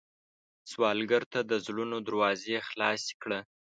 سوالګر ته د زړونو دروازې خلاصې کړه